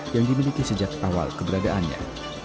yang dimiliki sejak awal keberadaannya